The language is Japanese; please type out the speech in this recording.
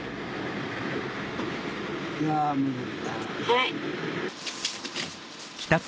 はい。